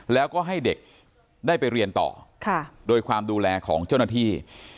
แล้วก็ให้เด็กได้ไปเรียนต่อโดยความดูแลของเจ้าหน้าที่